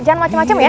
jangan macem macem ya